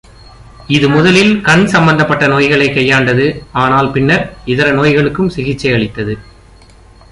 இது முதலில் கண் சம்பந்தப்பட்ட நோய்களைக் கையாண்டது, ஆனால் பின்னர் இதர நோய்களுக்கும் சிகிச்சையளித்தது.